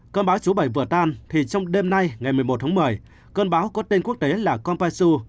cơn báo số bảy vừa tan thì trong đêm nay ngày một mươi một một mươi cơn báo có tên quốc tế là kampaisu